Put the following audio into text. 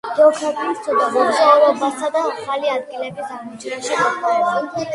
გეოგრაფიის ცოდნა მოგზაურობასა და ახალი ადგილების აღმოჩენაში გვეხმარება